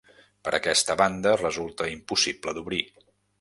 Per aquesta banda resulta impossible d'obrir.